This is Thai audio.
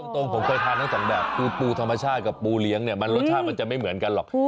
ตรงผมเคยทานทั้งสองแบบคือปูธรรมชาติกับปูเลี้ยงเนี่ยมันรสชาติมันจะไม่เหมือนกันหรอก